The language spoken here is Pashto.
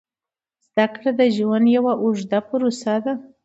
زده کړه د ژوند یوه اوږده پروسه ده.